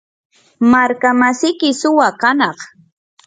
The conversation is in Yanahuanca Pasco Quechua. markamasiyki suwa kanaq.